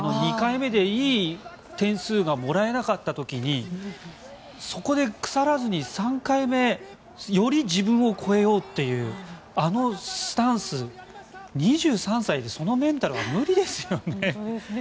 ２回目でいい点数がもらえなかった時にそこで腐らずに３回目より自分を超えようというあのスタンス、２３歳でそのメンタルは無理ですよね。